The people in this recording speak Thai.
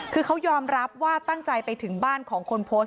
คือเขายอมรับว่าตั้งใจไปถึงบ้านของคนโพสต์